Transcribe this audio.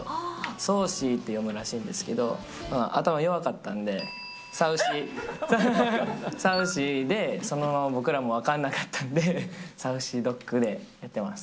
ソーシーって読むらしいんですけど、頭弱かったんで、サウシー、サウシーで、そのまま僕らも分かんなかったんで、サウシードッグでやってます。